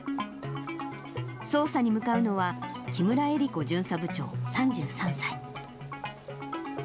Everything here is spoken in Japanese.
捜査に向かうのは、紀村江利子巡査部長３３歳。